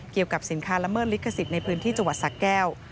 เกี่ยวกับสินค้าละเมิดลิขสิทธิ์ในพื้นที่จังหวัดสะแก้ว